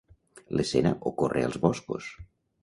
L'escena ocorre als boscos.